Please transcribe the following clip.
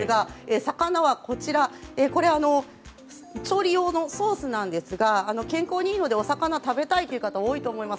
魚についてはこれは調理用のソースなんですが健康にいいのでお魚食べたい方多いと思います。